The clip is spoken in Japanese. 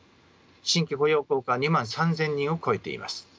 新規雇用効果は２万３，０００人を超えています。